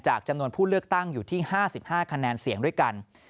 จำนวนผู้เลือกตั้งอยู่ที่๕๕คะแนนเสียงด้วยกัน